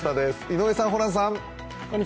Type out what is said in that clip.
井上さん、ホランさん。